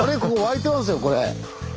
ここ湧いてますよこれ。